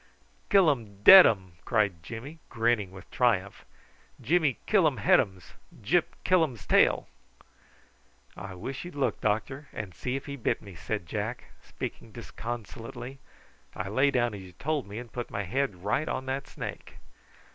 "Killum dead um!" cried Jimmy, grinning with triumph. "Jimmy killum headums; Gyp killums tail." "I wish you'd look, doctor, and see if he bit me," said Jack, speaking disconsolately. "I lay down as you told me, and put my head right on that snake."